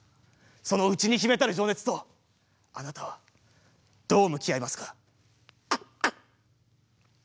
その内に秘めたる情熱とあなたはどう向き合いますか？